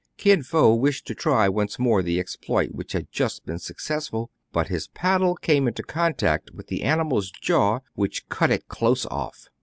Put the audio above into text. Kin Fo wished to try once more the exploit which had just been successful ; but his paddle came into contact with the animal's jaw, which cut it close off.